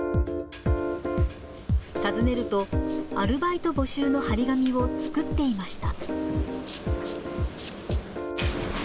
訪ねると、アルバイト募集の貼り紙を作っていました。